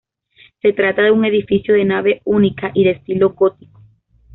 Se trata de un edificio de nave única y de estilo gótico.